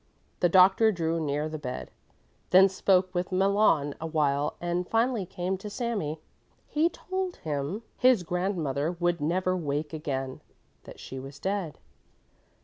The doctor drew near the bed. Then he spoke with Malon a while, and finally came to Sami. He told him his grandmother would never wake again, that she was dead.